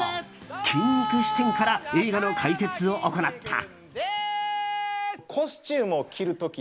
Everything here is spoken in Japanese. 筋肉視点から映画の解説を行った。